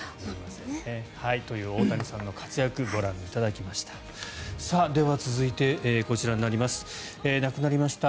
という大谷さんの活躍をご覧いただきました。